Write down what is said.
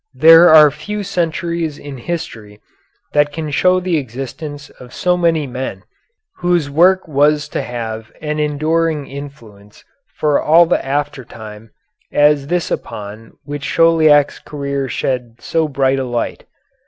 There are few centuries in history that can show the existence of so many men whose work was to have an enduring influence for all the after time as this upon which Chauliac's career shed so bright a light.